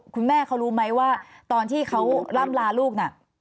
คุณแม่เขารู้ไหมว่าตอนที่เขาล่ำลาลูกน่ะ